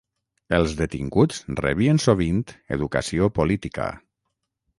Els detinguts rebien sovint educació política.